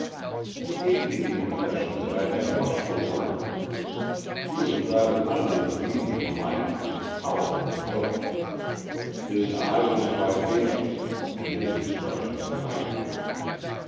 He gave me the impression that I had much to learn. He was rather under the medium height and powerfully built. His eye was vivacious and his expression kindly.